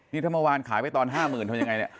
นี่ถ้าเมื่อวานขายไปตอน๕๐๐๐ทำยังไงเนี่ย